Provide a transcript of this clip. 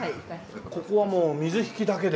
ここはもう水引だけで？